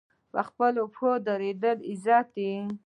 په خپلو پښو دریدل عزت دی